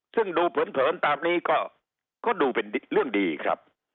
ซึ่งดูเผินตามนี้ก็ดูเป็นเรื่องดีครับ